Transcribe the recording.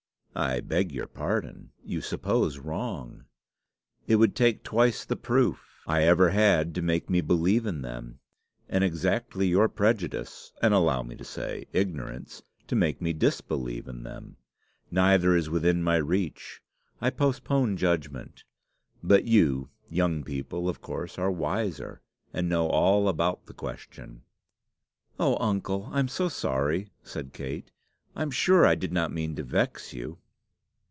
"I beg your pardon. You suppose wrong. It would take twice the proof I have ever had to make me believe in them; and exactly your prejudice, and allow me to say ignorance, to make me disbelieve in them. Neither is within my reach. I postpone judgment. But you, young people, of course, are wiser, and know all about the question." "Oh, uncle! I'm so sorry!" said Kate. "I'm sure I did not mean to vex you."